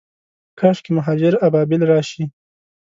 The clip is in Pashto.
کاشکي، مهاجر ابابیل راشي